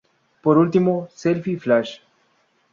Por último, Selfie Flash.